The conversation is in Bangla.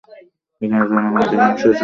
এখানে জনগণের অধিকাংশই চাষী, কৃষিজীবী ও জেলে।